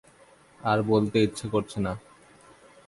আর বলতে ইচ্ছে করছে না।